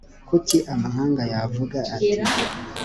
kuki amahanga yavuga ati